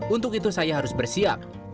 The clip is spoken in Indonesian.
untuk itu saya harus bersiap